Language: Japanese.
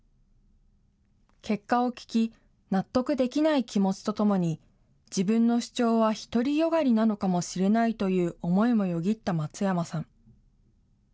結果を聞き、納得できない気持とともに、自分の主張は独り善がりなのかもしれないという思いもよぎった松山さん。